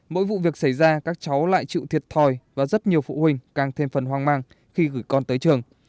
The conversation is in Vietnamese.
mỗi vụ việc xảy ra các cháu lại chịu thiệt thòi và rất nhiều phụ huynh càng thêm phần hoang mang khi gửi con tới trường